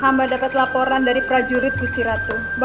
hamba hendak melupakan kebahagiaanku di dunia